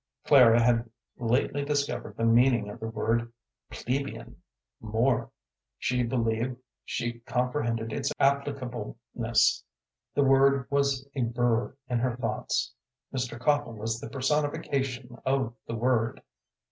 Clara had lately discovered the meaning of the word "plebeian"; more, she believed she comprehended its applicableness. The word was a burr in her thoughts. Mr. Copple was the personification of the word.